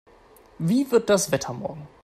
Wie wird das Wetter morgen?